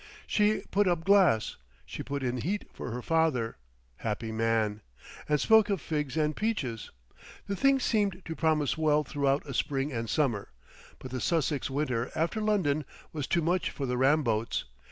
She put up glass, she put in heat for her father, happy man! and spoke of figs and peaches. The thing seemed to promise well throughout a spring and summer, but the Sussex winter after London was too much for the Ramboats.